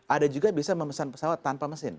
ada juga bisa memesan pesawat tanpa mesin